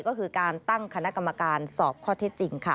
ก็คือการตั้งคณะกรรมการสอบข้อเท็จจริงค่ะ